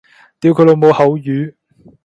屌佢老母口語